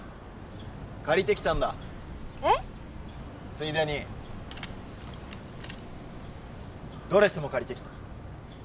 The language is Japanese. ついでにドレスも借りてきた。